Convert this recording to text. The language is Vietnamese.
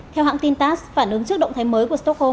theo hãng tin tass phản ứng trước động thái mục